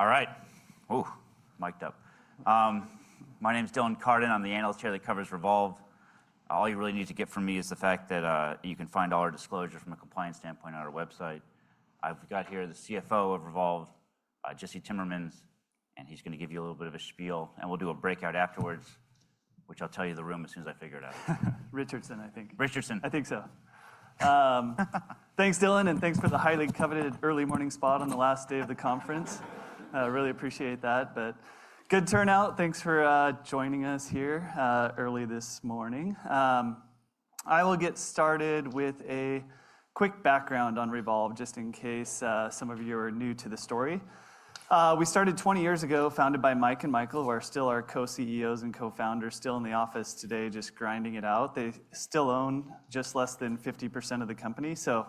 All right. Ooh, mic'd up. My name's Dylan Carden. I'm the analyst here that covers Revolve. All you really need to get from me is the fact that you can find all our disclosures from a compliance standpoint on our website. I've got here the CFO of Revolve, Jesse Timmermans, and he's going to give you a little bit of a spiel. We'll do a breakout afterwards, which I'll tell you the room as soon as I figure it out. Richardson, I think. Richardson. I think so. Thanks, Dylan, and thanks for the highly coveted early morning spot on the last day of the conference. I really appreciate that. Good turnout. Thanks for joining us here early this morning. I will get started with a quick background on Revolve, just in case some of you are new to the story. We started 20 years ago, founded by Mike and Michael, who are still our co-CEOs and co-founders, still in the office today, just grinding it out. They still own just less than 50% of the company. We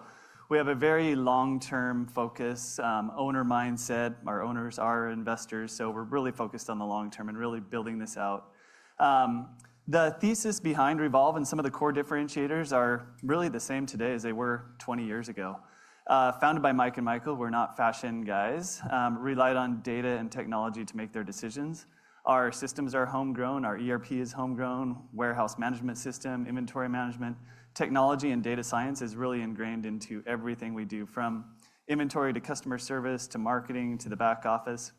have a very long-term focus, owner mindset. Our owners are investors, so we're really focused on the long term and really building this out. The thesis behind Revolve and some of the core differentiators are really the same today as they were 20 years ago. Founded by Mike and Michael, we're not fashion guys. Relied on data and technology to make their decisions. Our systems are homegrown. Our ERP is homegrown. Warehouse management system, inventory management, technology, and data science is really ingrained into everything we do, from inventory to customer service to marketing to the back office.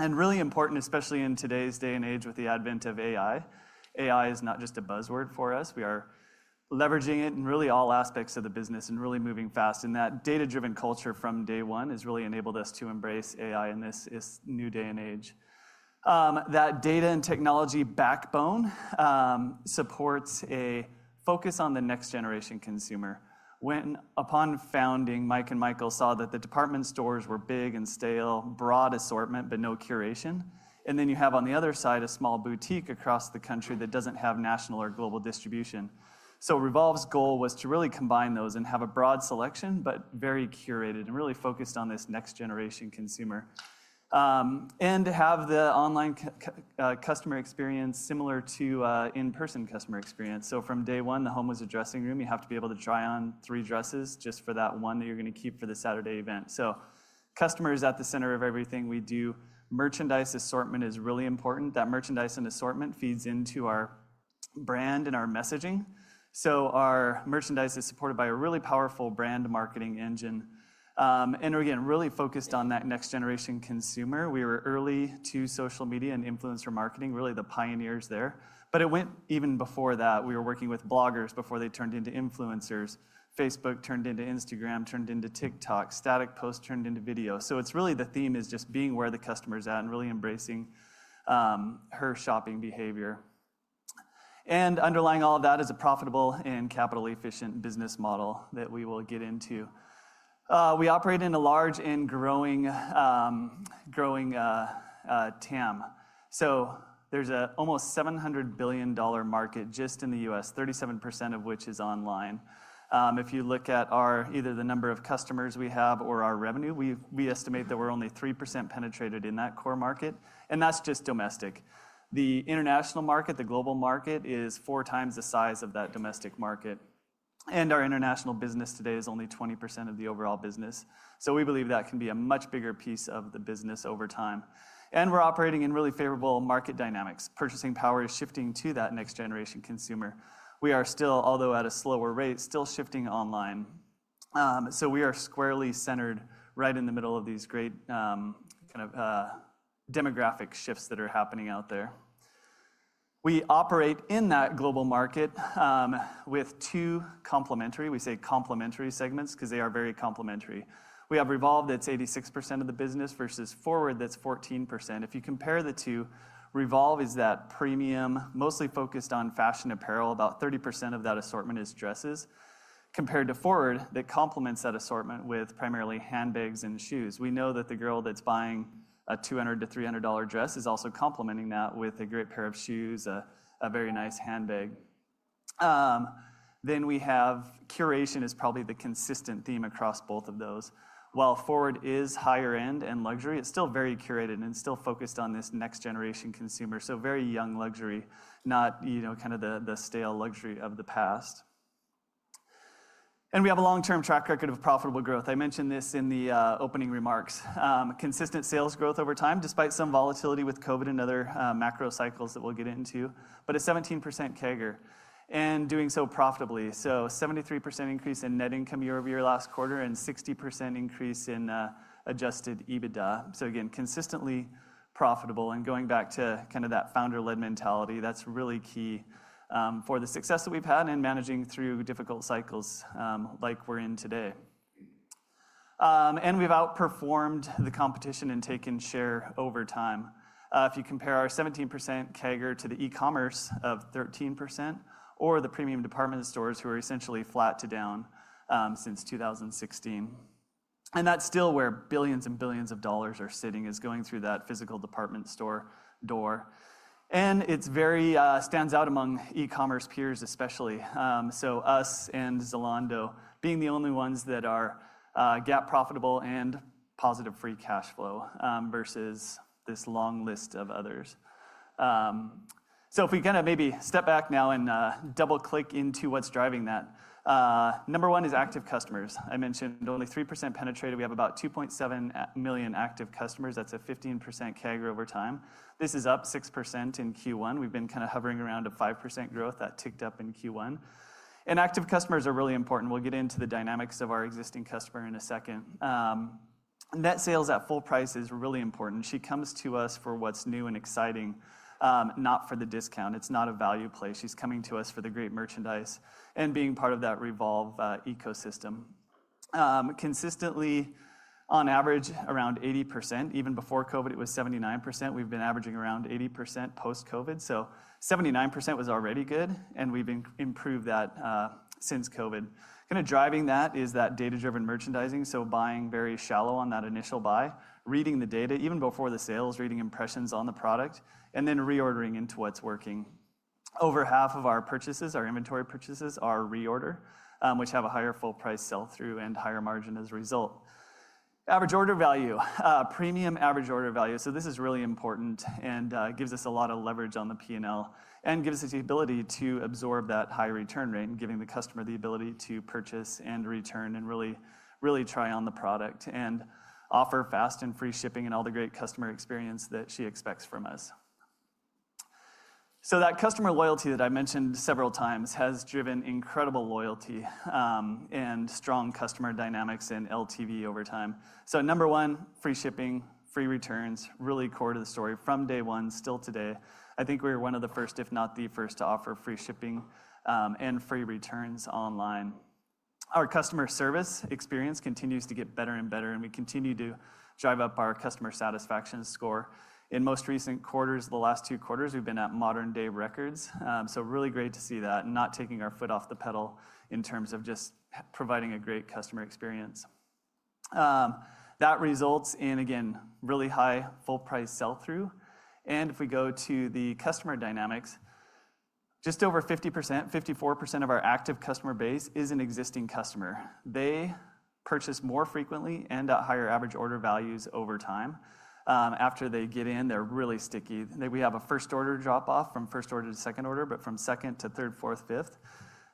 Really important, especially in today's day and age with the advent of AI. AI is not just a buzzword for us. We are leveraging it in really all aspects of the business and really moving fast. That data-driven culture from day one has really enabled us to embrace AI in this new day and age. That data and technology backbone supports a focus on the next-generation consumer. When upon founding, Mike and Michael saw that the department stores were big and stale, broad assortment, but no curation. You have on the other side a small boutique across the country that does not have national or global distribution. Revolve's goal was to really combine those and have a broad selection, but very curated and really focused on this next-generation consumer. To have the online customer experience similar to in-person customer experience. From day one, the home was a dressing room. You have to be able to try on three dresses just for that one that you are going to keep for the Saturday event. Customer is at the center of everything we do. Merchandise assortment is really important. That merchandise and assortment feeds into our brand and our messaging. Our merchandise is supported by a really powerful brand marketing engine. Again, really focused on that next-generation consumer. We were early to social media and influencer marketing, really the pioneers there. It went even before that. We were working with bloggers before they turned into influencers. Facebook turned into Instagram, turned into TikTok. Static post turned into video. It's really the theme is just being where the customer's at and really embracing her shopping behavior. Underlying all of that is a profitable and capital-efficient business model that we will get into. We operate in a large and growing TAM. There's an almost $700 billion market just in the U.S., 37% of which is online. If you look at either the number of customers we have or our revenue, we estimate that we're only 3% penetrated in that core market. That's just domestic. The international market, the global market, is 4x the size of that domestic market. Our international business today is only 20% of the overall business. We believe that can be a much bigger piece of the business over time. We are operating in really favorable market dynamics. Purchasing power is shifting to that next-generation consumer. We are still, although at a slower rate, still shifting online. We are squarely centered right in the middle of these great kind of demographic shifts that are happening out there. We operate in that global market with two complementary—we say complementary segments because they are very complementary. We have Revolve that's 86% of the business versus Forward that's 14%. If you compare the two, Revolve is that premium, mostly focused on fashion apparel. About 30% of that assortment is dresses. Compared to Forward, that complements that assortment with primarily handbags and shoes. We know that the girl that's buying a $200-$300 dress is also complementing that with a great pair of shoes, a very nice handbag. Then we have curation is probably the consistent theme across both of those. While Forward is higher-end and luxury, it's still very curated and still focused on this next-generation consumer. Very young luxury, not kind of the stale luxury of the past. We have a long-term track record of profitable growth. I mentioned this in the opening remarks. Consistent sales growth over time, despite some volatility with COVID and other macro cycles that we'll get into. A 17% CAGR and doing so profitably. A 73% increase in net income year-over-year last quarter and 60% increase in adjusted EBITDA. Again, consistently profitable. Going back to kind of that founder-led mentality, that's really key for the success that we've had in managing through difficult cycles like we're in today. We've outperformed the competition and taken share over time. If you compare our 17% CAGR to the e-commerce of 13% or the premium department stores who are essentially flat to down since 2016, that's still where billions and billions of dollars are sitting, going through that physical department store door. It stands out among e-commerce peers, especially. Us and Zalando are the only ones that are gap profitable and positive free cash flow versus this long list of others. If we maybe step back now and double-click into what's driving that, number one is active customers. I mentioned only 3% penetrated. We have about 2.7 million active customers. That's a 15% CAGR over time. This is up 6% in Q1. We've been kind of hovering around a 5% growth that ticked up in Q1. Active customers are really important. We'll get into the dynamics of our existing customer in a second. Net sales at full price is really important. She comes to us for what's new and exciting, not for the discount. It's not a value play. She's coming to us for the great merchandise and being part of that Revolve ecosystem. Consistently, on average, around 80%. Even before COVID, it was 79%. We've been averaging around 80% post-COVID. 79% was already good, and we've improved that since COVID. Kind of driving that is that data-driven merchandising. Buying very shallow on that initial buy, reading the data even before the sales, reading impressions on the product, and then reordering into what's working. Over half of our purchases, our inventory purchases, are reorder, which have a higher full-price sell-through and higher margin as a result. Average order value, premium average order value. This is really important and gives us a lot of leverage on the P&L and gives us the ability to absorb that high return rate, giving the customer the ability to purchase and return and really try on the product and offer fast and free shipping and all the great customer experience that she expects from us. That customer loyalty that I mentioned several times has driven incredible loyalty and strong customer dynamics and LTV over time. Number one, free shipping, free returns, really core to the story from day one, still today. I think we were one of the first, if not the first, to offer free shipping and free returns online. Our customer service experience continues to get better and better, and we continue to drive up our customer satisfaction score. In most recent quarters, the last two quarters, we have been at modern-day records. Really great to see that and not taking our foot off the pedal in terms of just providing a great customer experience. That results in, again, really high full-price sell-through. If we go to the customer dynamics, just over 50%, 54% of our active customer base is an existing customer. They purchase more frequently and at higher average order values over time. After they get in, they are really sticky. We have a first-order drop-off from first order to second order, but from second to third, fourth, fifth,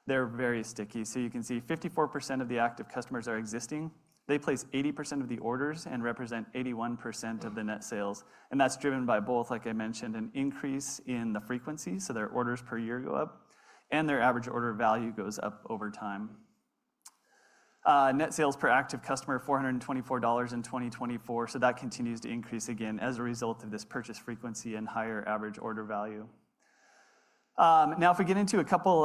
they are very sticky. You can see 54% of the active customers are existing. They place 80% of the orders and represent 81% of the net sales. That's driven by both, like I mentioned, an increase in the frequency. Their orders per year go up, and their average order value goes up over time. Net sales per active customer, $424 in 2024. That continues to increase again as a result of this purchase frequency and higher average order value. If we get into a couple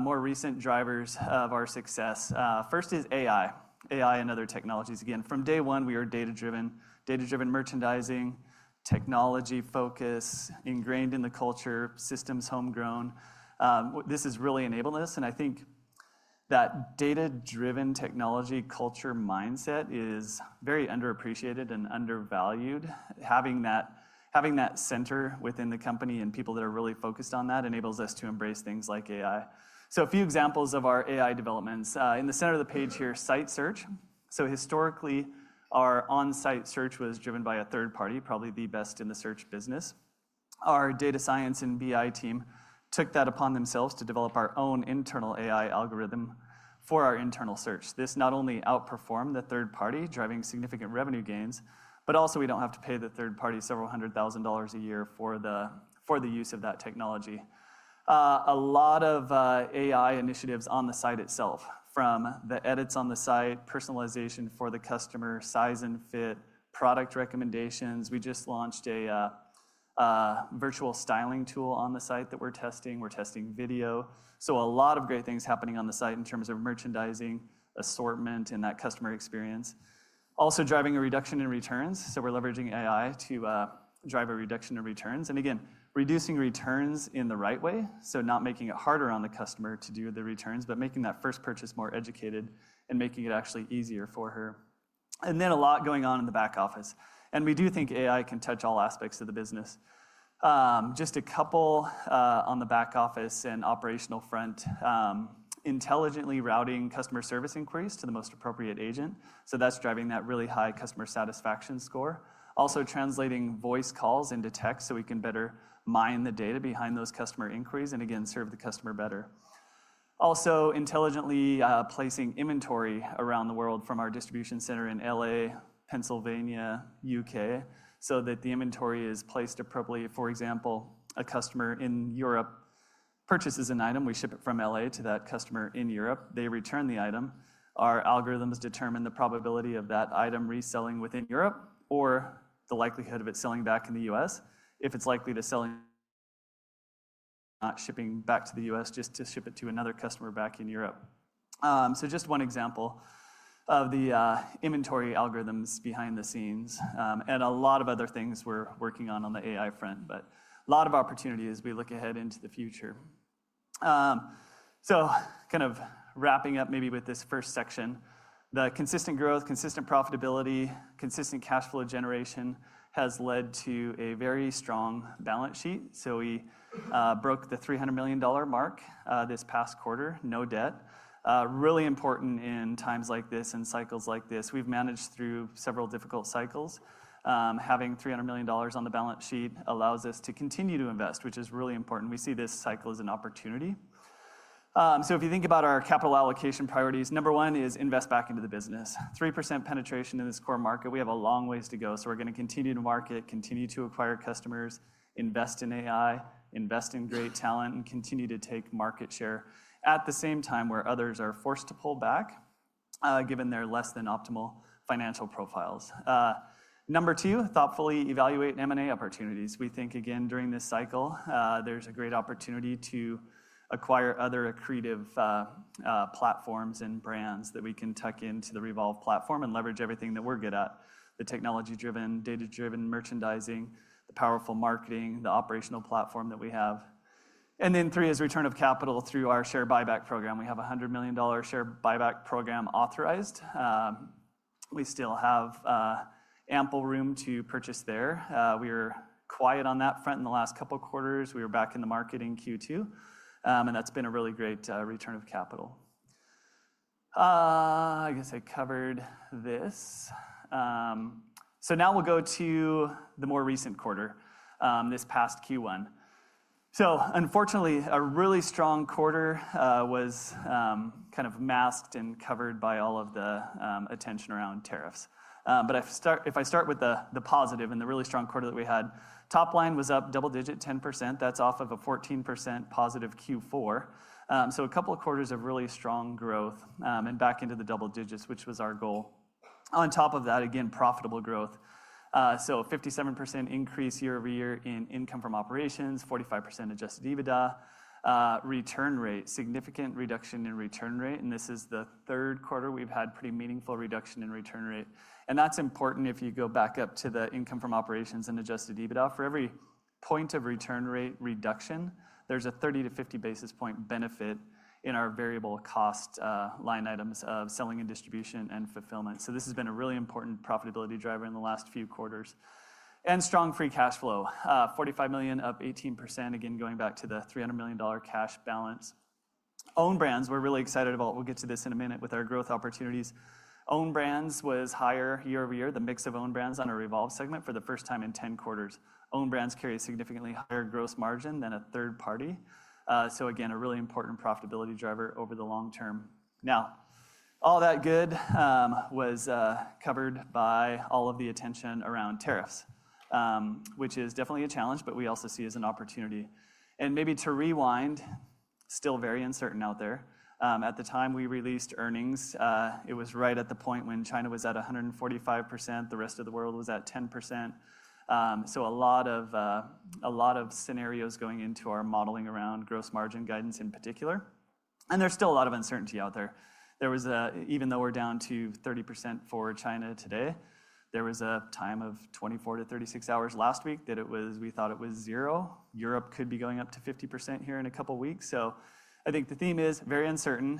more recent drivers of our success, first is AI, AI and other technologies. From day one, we are data-driven, data-driven merchandising, technology focus, ingrained in the culture, systems homegrown. This has really enabled us. I think that data-driven technology culture mindset is very underappreciated and undervalued. Having that center within the company and people that are really focused on that enables us to embrace things like AI. A few examples of our AI developments. In the center of the page here, site search. Historically, our on-site search was driven by a third party, probably the best in the search business. Our data science and BI team took that upon themselves to develop our own internal AI algorithm for our internal search. This not only outperformed the third party, driving significant revenue gains, but also we do not have to pay the third party several hundred thousand dollars a year for the use of that technology. A lot of AI initiatives on the site itself, from the edits on the site, personalization for the customer, size and fit, product recommendations. We just launched a virtual styling tool on the site that we are testing. We are testing video. A lot of great things happening on the site in terms of merchandising, assortment, and that customer experience. Also driving a reduction in returns. We are leveraging AI to drive a reduction in returns. Again, reducing returns in the right way. Not making it harder on the customer to do the returns, but making that first purchase more educated and making it actually easier for her. A lot going on in the back office. We do think AI can touch all aspects of the business. Just a couple on the back office and operational front, intelligently routing customer service inquiries to the most appropriate agent. That is driving that really high customer satisfaction score. Also translating voice calls into text so we can better mine the data behind those customer inquiries and, again, serve the customer better. Also intelligently placing inventory around the world from our distribution center in L.A., Pennsylvania, U.K., so that the inventory is placed appropriately. For example, a customer in Europe purchases an item. We ship it from L.A. to that customer in Europe. They return the item. Our algorithms determine the probability of that item reselling within Europe or the likelihood of it selling back in the U.S., if it's likely to sell and not shipping back to the U.S. just to ship it to another customer back in Europe. Just one example of the inventory algorithms behind the scenes and a lot of other things we're working on on the AI front, but a lot of opportunity as we look ahead into the future. Kind of wrapping up maybe with this first section, the consistent growth, consistent profitability, consistent cash flow generation has led to a very strong balance sheet. We broke the $300 million mark this past quarter, no debt. Really important in times like this and cycles like this. We've managed through several difficult cycles. Having $300 million on the balance sheet allows us to continue to invest, which is really important. We see this cycle as an opportunity. If you think about our capital allocation priorities, number one is invest back into the business. 3% penetration in this core market. We have a long ways to go. We are going to continue to market, continue to acquire customers, invest in AI, invest in great talent, and continue to take market share at the same time where others are forced to pull back given their less than optimal financial profiles. Number two, thoughtfully evaluate M&A opportunities. We think, again, during this cycle, there is a great opportunity to acquire other creative platforms and brands that we can tuck into the Revolve platform and leverage everything that we are good at: the technology-driven, data-driven merchandising, the powerful marketing, the operational platform that we have. Three is return of capital through our share buyback program. We have a $100 million share buyback program authorized. We still have ample room to purchase there. We are quiet on that front in the last couple of quarters. We were back in the market in Q2, and that's been a really great return of capital. I guess I covered this. Now we'll go to the more recent quarter, this past Q1. Unfortunately, a really strong quarter was kind of masked and covered by all of the attention around tariffs. If I start with the positive and the really strong quarter that we had, top line was up double-digit 10%. That's off of a 14% positive Q4. A couple of quarters of really strong growth and back into the double digits, which was our goal. On top of that, again, profitable growth. a 57% increase year-over-year in income from operations, 45% adjusted EBITDA, return rate, significant reduction in return rate. This is the third quarter we have had pretty meaningful reduction in return rate. That is important if you go back up to the income from operations and adjusted EBITDA. For every point of return rate reduction, there is a 30-50 basis point benefit in our variable cost line items of selling and distribution and fulfillment. This has been a really important profitability driver in the last few quarters. Strong free cash flow, $45 million up 18%, again, going back to the $300 million cash balance. Own brands, we are really excited about. We will get to this in a minute with our growth opportunities. Own brands was higher year-over-year, the mix of own brands on a Revolve segment for the first time in 10 quarters. Own brands carry a significantly higher gross margin than a third party. So again, a really important profitability driver over the long term. Now, all that good was covered by all of the attention around tariffs, which is definitely a challenge, but we also see as an opportunity. And maybe to rewind, still very uncertain out there. At the time we released earnings, it was right at the point when China was at 145%. The rest of the world was at 10%. So a lot of scenarios going into our modeling around gross margin guidance in particular. And there's still a lot of uncertainty out there. Even though we're down to 30% for China today, there was a time of 24-36 hours last week that we thought it was zero. Europe could be going up to 50% here in a couple of weeks. I think the theme is very uncertain.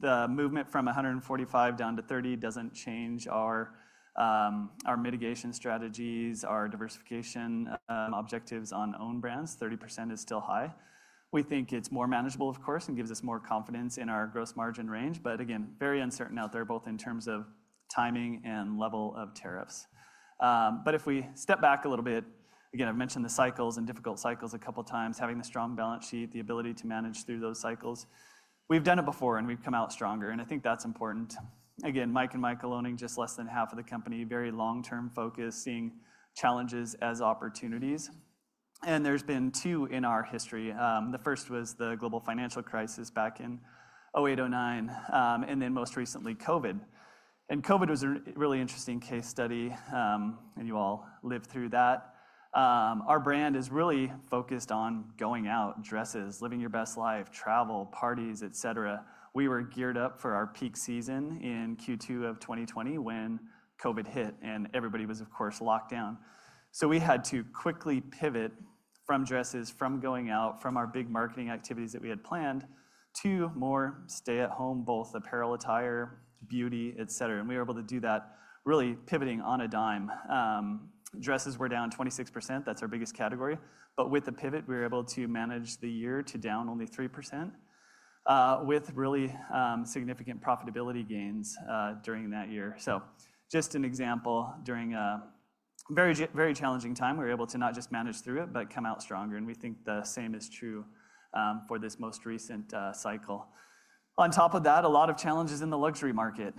The movement from 145% down to 30% does not change our mitigation strategies, our diversification objectives on own brands. 30% is still high. We think it is more manageable, of course, and gives us more confidence in our gross margin range. Again, very uncertain out there, both in terms of timing and level of tariffs. If we step back a little bit, I have mentioned the cycles and difficult cycles a couple of times, having the strong balance sheet, the ability to manage through those cycles. We have done it before and we have come out stronger. I think that is important. Again, Mike and Michael owning just less than half of the company, very long-term focus, seeing challenges as opportunities. There have been two in our history. The first was the global financial crisis back in 2008, 2009, and then most recently COVID. COVID was a really interesting case study, and you all lived through that. Our brand is really focused on going out, dresses, living your best life, travel, parties, etc. We were geared up for our peak season in Q2 of 2020 when COVID hit and everybody was, of course, locked down. We had to quickly pivot from dresses, from going out, from our big marketing activities that we had planned to more stay-at-home, both apparel, attire, beauty, etc. We were able to do that, really pivoting on a dime. Dresses were down 26%. That is our biggest category. With the pivot, we were able to manage the year to down only 3% with really significant profitability gains during that year. Just an example, during a very challenging time, we were able to not just manage through it, but come out stronger. We think the same is true for this most recent cycle. On top of that, a lot of challenges in the luxury market.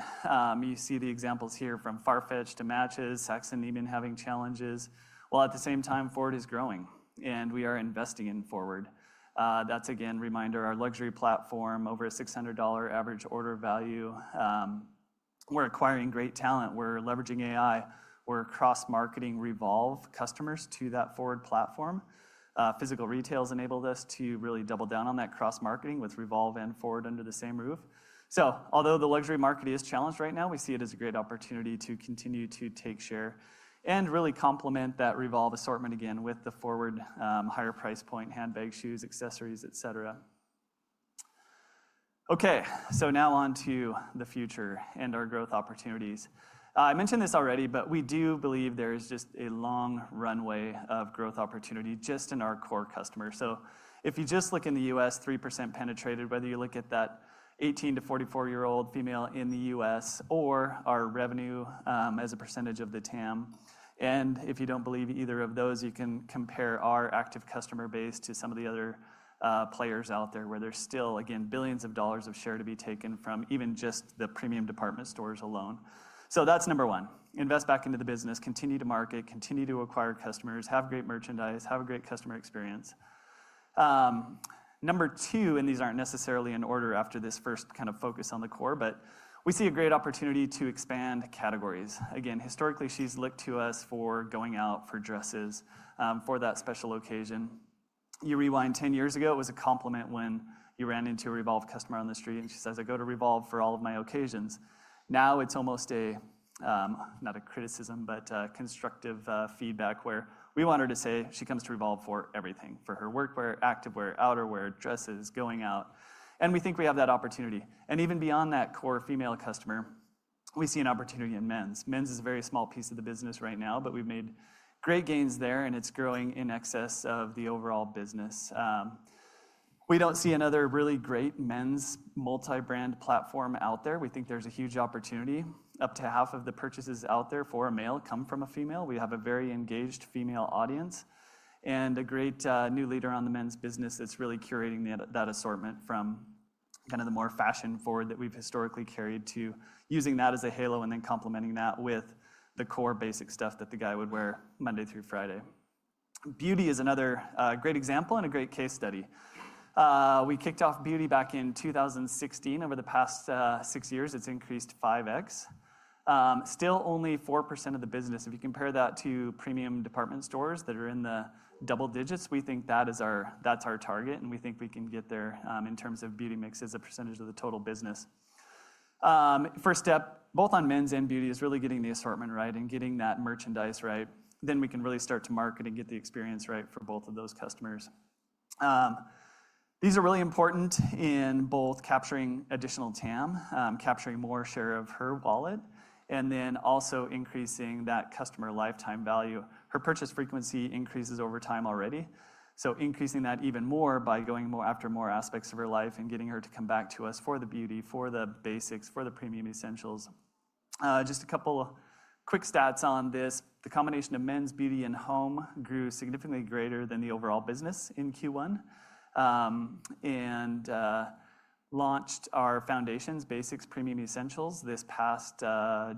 You see the examples here from Farfetch to MatchesFashion, Saks and Neiman having challenges. While at the same time, Forward is growing and we are investing in Forward. That's again, reminder, our luxury platform, over a $600 average order value. We're acquiring great talent. We're leveraging AI. We're cross-marketing Revolve customers to that Forward platform. Physical retail has enabled us to really double down on that cross-marketing with Revolve and Forward under the same roof. Although the luxury market is challenged right now, we see it as a great opportunity to continue to take share and really complement that Revolve assortment again with the Forward higher price point, handbags, shoes, accessories, etc. Okay, now on to the future and our growth opportunities. I mentioned this already, but we do believe there is just a long runway of growth opportunity just in our core customers. If you just look in the U.S., 3% penetrated, whether you look at that 18-44 year old female in the U.S. or our revenue as a percentage of the TAM. If you do not believe either of those, you can compare our active customer base to some of the other players out there where there is still, again, billions of dollars of share to be taken from even just the premium department stores alone. That is number one. Invest back into the business, continue to market, continue to acquire customers, have great merchandise, have a great customer experience. Number two, and these are not necessarily in order after this first kind of focus on the core, but we see a great opportunity to expand categories. Again, historically, she's looked to us for going out, for dresses, for that special occasion. You rewind 10 years ago, it was a compliment when you ran into a Revolve customer on the street and she says, "I go to Revolve for all of my occasions." Now it's almost not a criticism, but constructive feedback where we want her to say she comes to Revolve for everything, for her workwear, activewear, outerwear, dresses, going out. We think we have that opportunity. Even beyond that core female customer, we see an opportunity in men's. Men's is a very small piece of the business right now, but we've made great gains there and it's growing in excess of the overall business. We don't see another really great men's multi-brand platform out there. We think there's a huge opportunity. Up to half of the purchases out there for a male come from a female. We have a very engaged female audience and a great new leader on the men's business that's really curating that assortment from kind of the more fashion forward that we've historically carried to using that as a halo and then complementing that with the core basic stuff that the guy would wear Monday through Friday. Beauty is another great example and a great case study. We kicked off beauty back in 2016. Over the past six years, it's increased 5x. Still only 4% of the business. If you compare that to premium department stores that are in the double digits, we think that's our target and we think we can get there in terms of beauty mix as a percentage of the total business. First step, both on men's and beauty, is really getting the assortment right and getting that merchandise right. Then we can really start to market and get the experience right for both of those customers. These are really important in both capturing additional TAM, capturing more share of her wallet, and then also increasing that customer lifetime value. Her purchase frequency increases over time already. Increasing that even more by going after more aspects of her life and getting her to come back to us for the beauty, for the basics, for the premium essentials. Just a couple of quick stats on this. The combination of men's, beauty, and home grew significantly greater than the overall business in Q1 and launched our foundations, basics, premium essentials this past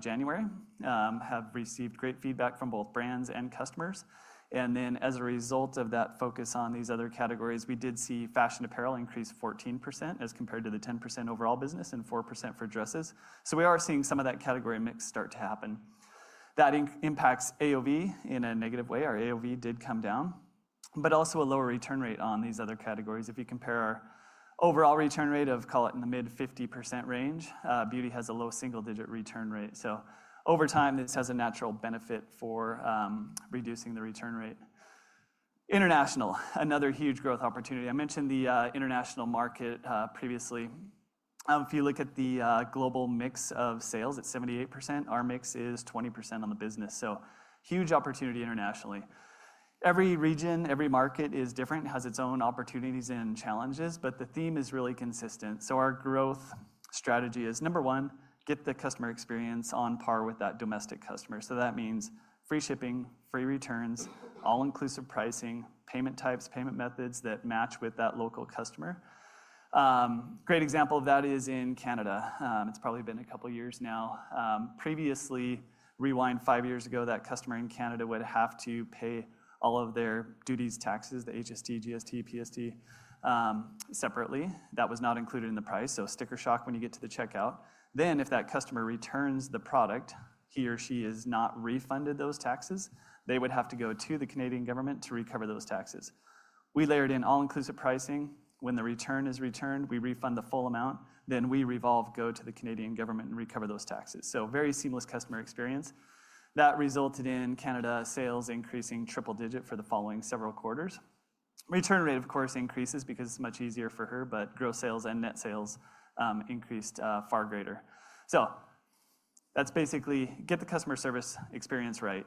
January, have received great feedback from both brands and customers. As a result of that focus on these other categories, we did see fashion apparel increase 14% as compared to the 10% overall business and 4% for dresses. We are seeing some of that category mix start to happen. That impacts AOV in a negative way. Our AOV did come down, but also a lower return rate on these other categories. If you compare our overall return rate of, call it in the mid 50% range, beauty has a low single-digit return rate. Over time, this has a natural benefit for reducing the return rate. International, another huge growth opportunity. I mentioned the international market previously. If you look at the global mix of sales, it is 78%. Our mix is 20% on the business. Huge opportunity internationally. Every region, every market is different, has its own opportunities and challenges, but the theme is really consistent. Our growth strategy is, number one, get the customer experience on par with that domestic customer. That means free shipping, free returns, all-inclusive pricing, payment types, payment methods that match with that local customer. Great example of that is in Canada. It's probably been a couple of years now. Previously, rewind five years ago, that customer in Canada would have to pay all of their duties, taxes, the HST, GST, PST separately. That was not included in the price. Sticker shock when you get to the checkout. If that customer returns the product, he or she is not refunded those taxes, they would have to go to the Canadian government to recover those taxes. We layered in all-inclusive pricing. When the return is returned, we refund the full amount. We, Revolve, go to the Canadian government and recover those taxes. Very seamless customer experience. That resulted in Canada sales increasing triple digit for the following several quarters. Return rate, of course, increases because it's much easier for her, but gross sales and net sales increased far greater. That's basically get the customer service experience right.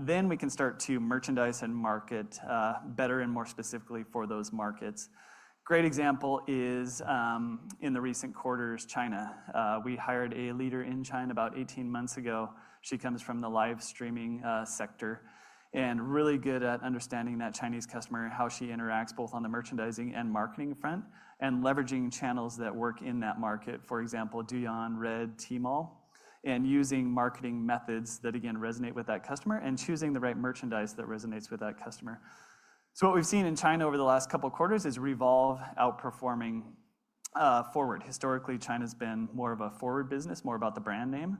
Then we can start to merchandise and market better and more specifically for those markets. Great example is in the recent quarters, China. We hired a leader in China about 18 months ago. She comes from the live streaming sector and really good at understanding that Chinese customer, how she interacts both on the merchandising and marketing front and leveraging channels that work in that market. For example, Douyin, Red, Tmall, and using marketing methods that again resonate with that customer and choosing the right merchandise that resonates with that customer. What we've seen in China over the last couple of quarters is Revolve outperforming Forward. Historically, China has been more of a Forward business, more about the brand name.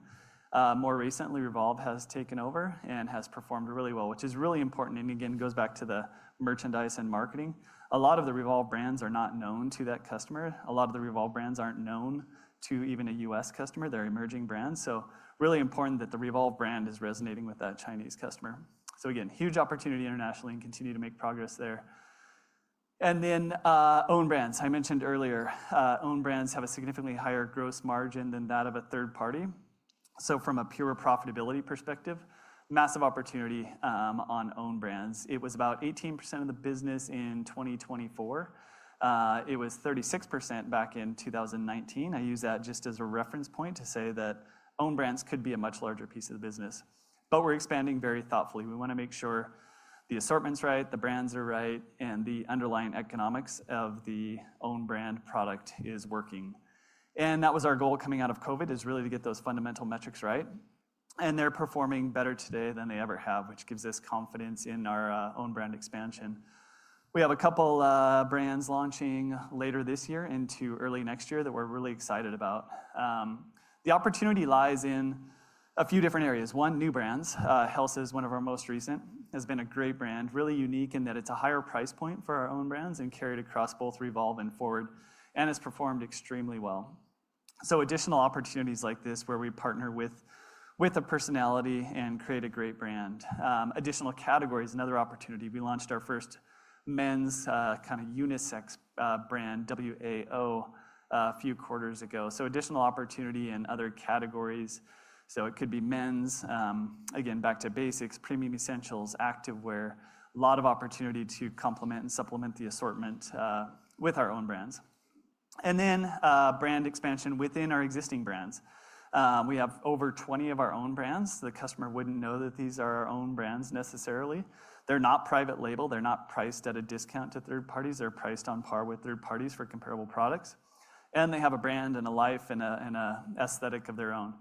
More recently, Revolve has taken over and has performed really well, which is really important. Again, goes back to the merchandise and marketing. A lot of the Revolve brands are not known to that customer. A lot of the Revolve brands are not known to even a U.S. customer. They are emerging brands. Really important that the Revolve brand is resonating with that Chinese customer. Huge opportunity internationally and continue to make progress there. Then own brands. I mentioned earlier, own brands have a significantly higher gross margin than that of a third party. From a pure profitability perspective, massive opportunity on own brands. It was about 18% of the business in 2024. It was 36% back in 2019. I use that just as a reference point to say that own brands could be a much larger piece of the business. We are expanding very thoughtfully. We want to make sure the assortment's right, the brands are right, and the underlying economics of the own brand product is working. That was our goal coming out of COVID, to really get those fundamental metrics right. They are performing better today than they ever have, which gives us confidence in our own brand expansion. We have a couple of brands launching later this year into early next year that we're really excited about. The opportunity lies in a few different areas. One, new brands. Health is one of our most recent. Has been a great brand, really unique in that it's a higher price point for our own brands and carried across both Revolve and Forward and has performed extremely well. Additional opportunities like this where we partner with a personality and create a great brand. Additional categories, another opportunity. We launched our first men's kind of unisex brand, WAO, a few quarters ago. Additional opportunity in other categories. It could be men's. Again, back to basics, premium essentials, activewear. A lot of opportunity to complement and supplement the assortment with our own brands. Then brand expansion within our existing brands. We have over 20 of our own brands. The customer wouldn't know that these are our own brands necessarily. They're not private label. They're not priced at a discount to third parties. They're priced on par with third parties for comparable products. They have a brand and a life and an aesthetic of their own.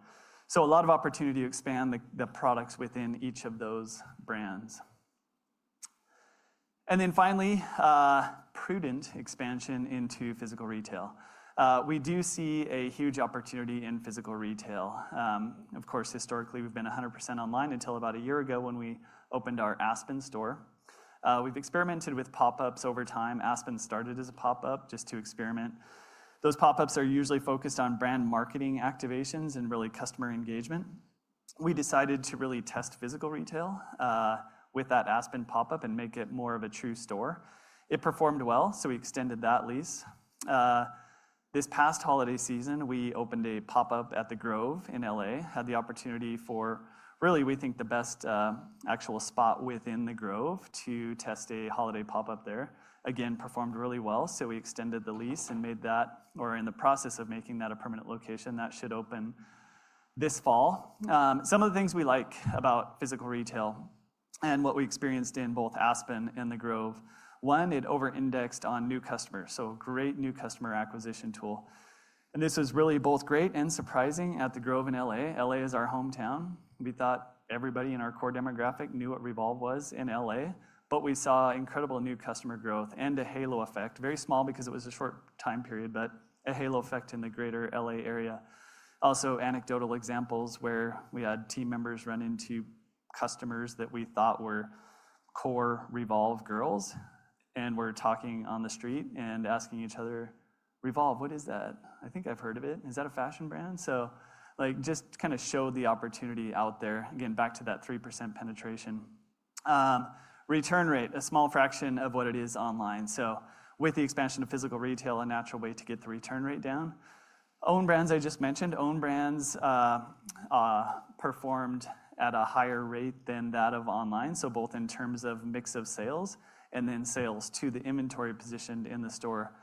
A lot of opportunity to expand the products within each of those brands. Finally, prudent expansion into physical retail. We do see a huge opportunity in physical retail. Of course, historically, we have been 100% online until about a year ago when we opened our Aspen store. We have experimented with pop-ups over time. Aspen started as a pop-up just to experiment. Those pop-ups are usually focused on brand marketing activations and really customer engagement. We decided to really test physical retail with that Aspen pop-up and make it more of a true store. It performed well, so we extended that lease. This past holiday season, we opened a pop-up at The Grove in L.A., had the opportunity for really, we think the best actual spot within The Grove to test a holiday pop-up there. Again, performed really well, so we extended the lease and made that, or are in the process of making that a permanent location that should open this fall. Some of the things we like about physical retail and what we experienced in both Aspen and The Grove, one, it over-indexed on new customers. Great new customer acquisition tool. This was really both great and surprising at The Grove in L.A. L.A. is our hometown. We thought everybody in our core demographic knew what Revolve was in L.A., but we saw incredible new customer growth and a halo effect. Very small because it was a short time period, but a halo effect in the greater L.A. area. Also, anecdotal examples where we had team members run into customers that we thought were core Revolve girls and were talking on the street and asking each other, "Revolve, what is that? I think I've heard of it. Is that a fashion brand? Just kind of showed the opportunity out there. Again, back to that 3% penetration. Return rate, a small fraction of what it is online. With the expansion of physical retail, a natural way to get the return rate down. Own brands I just mentioned, own brands performed at a higher rate than that of online. Both in terms of mix of sales and then sales to the inventory positioned in the store.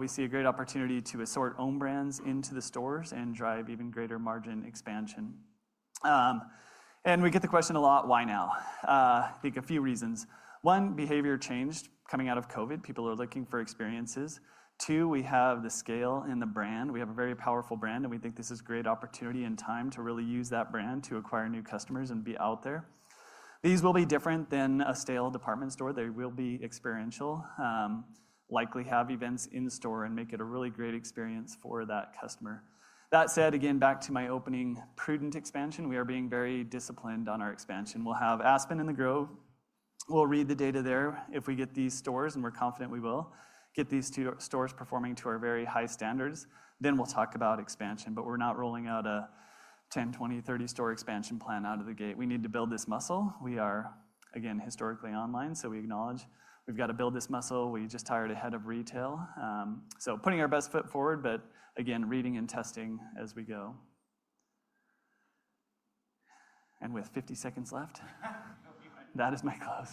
We see a great opportunity to assort own brands into the stores and drive even greater margin expansion. We get the question a lot, why now? I think a few reasons. One, behavior changed coming out of COVID. People are looking for experiences. Two, we have the scale in the brand. We have a very powerful brand and we think this is a great opportunity and time to really use that brand to acquire new customers and be out there. These will be different than a stale department store. They will be experiential, likely have events in store and make it a really great experience for that customer. That said, again, back to my opening, prudent expansion. We are being very disciplined on our expansion. We'll have Aspen and the Grove. We'll read the data there. If we get these stores and we're confident we will get these two stores performing to our very high standards, then we'll talk about expansion, but we're not rolling out a 10-20-30 store expansion plan out of the gate. We need to build this muscle. We are, again, historically online, so we acknowledge we've got to build this muscle. We just hired a head of retail. Putting our best foot forward, but again, reading and testing as we go. With 50 seconds left, that is my close.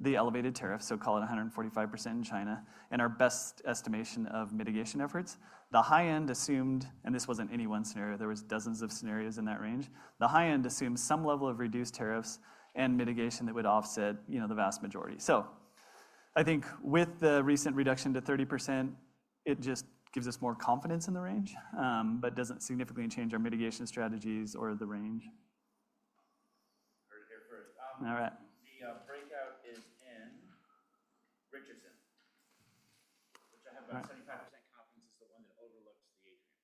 the elevated tariffs, so call it 145% in China, and our best estimation of mitigation efforts. The high end assumed, and this was not any one scenario. There were dozens of scenarios in that range. The high end assumed some level of reduced tariffs and mitigation that would offset the vast majority. I think with the recent reduction to 30%, it just gives us more confidence in the range, but does not significantly change our mitigation strategies or the range. Heard it here first. All right. The breakout is in Richardson, which I have about 75% confidence is the one that overlooks the atrium.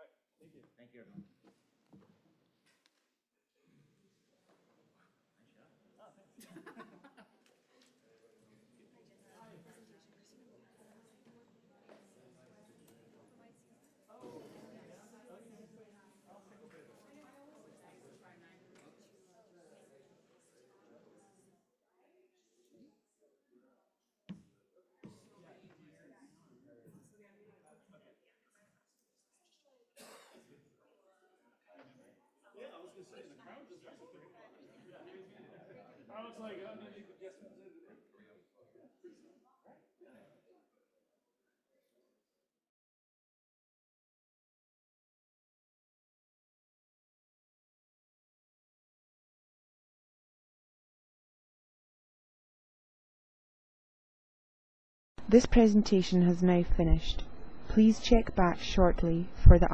All right. Thank you. Thank you, everyone. Nice job. Oh, thanks. This presentation has now finished. Please check back shortly for the.